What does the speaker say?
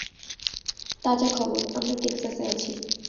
তাজা খবর, আমরা টেক্সাসে আছি।